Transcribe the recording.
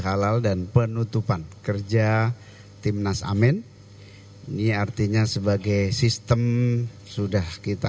halal dan penutupan kerja timnas amen ini artinya sebagai sistem sudah kita